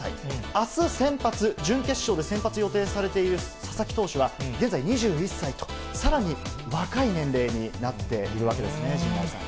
あす先発、準決勝で先発が予定されている佐々木投手は現在２１歳と、さらに若い年齢になっているわけですね、陣内さん。